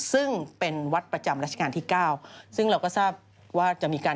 ซึ่งเป็นวัดประจำรัชกาลที่เก้าซึ่งเราก็ทราบว่าจะมีการ